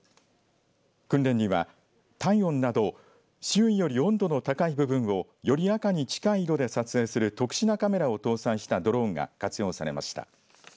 訓練には、体温など周囲より温度の高い部分をより赤に近い色で撮影する特殊なカメラを搭載したドローンが活用されました。